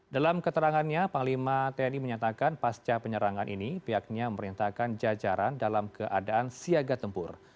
dalam keterangannya panglima tni menyatakan pasca penyerangan ini pihaknya memerintahkan jajaran dalam keadaan siaga tempur